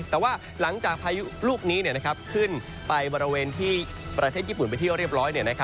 แต่ว่าหลังจากพายุลูกนี้ขึ้นไปบริเวณที่ประเทศญี่ปุ่นไปเที่ยวเรียบร้อย